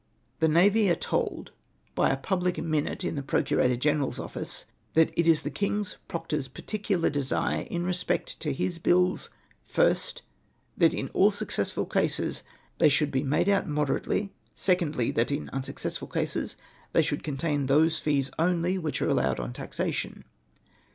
The navy are told, by a public minute in the procurator general's office, ' that it is the king's proctor's particular desire, in respect to his bills, first, that in all successful cases they should be made out moderately ; secondly, that in unsuccessful cases they should contain those fees' only which are allowed on taxation.'